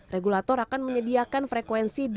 regulator akan menyediakan frekuensi